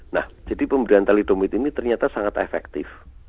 nah jadi pemberian talidomit ini ternyata sangat efektif